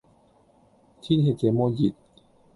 天氣這麼熱